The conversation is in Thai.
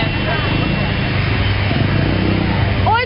อะไรอ่ะ